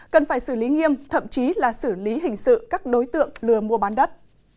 cần phải xử lý nghiêm thậm chí là xử lý hình sự các đối tượng lừa mua bán đất